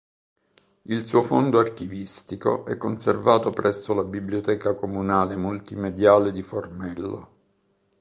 Il suo fondo archivistico è conservato presso la Biblioteca comunale multimediale di Formello.